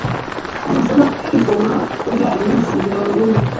Ntimusabwa kwigomwa kurya iminsi mirongo ine